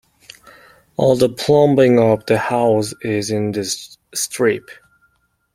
All the plumbing of the house is in this strip.